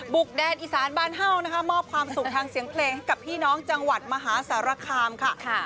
แดนอีสานบ้านเห่านะคะมอบความสุขทางเสียงเพลงให้กับพี่น้องจังหวัดมหาสารคามค่ะ